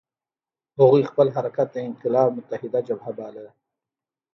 هغوی خپل حرکت د انقلاب متحده جبهه باله.